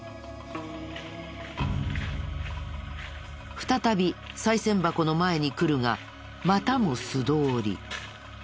再びさい銭箱の前に来るがまたも素通り。